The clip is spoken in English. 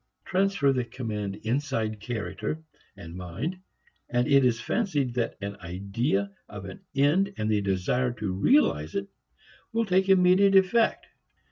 Transfer the command inside character and mind, and it is fancied that an idea of an end and the desire to realize it will take immediate effect.